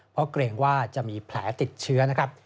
เพราะเกรงว่าจะมีแผลติดเชื้อนะครับ